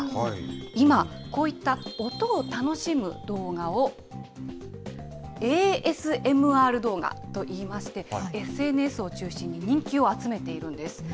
今、こういった音を楽しむ動画を、ＡＳＭＲ動画といいまして、ＳＮＳを中心に人気を集めているんです。